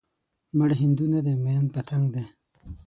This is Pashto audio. مړ هندو نه دی ميئن پتنګ دی